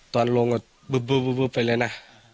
ตอนลงก็บึ๊บไปเลยนะ